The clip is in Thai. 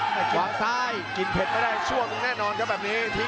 โอ้โฮฝลากไปคิดเผ็ดมาได้ช่วงแน่นอนครับแบบนี้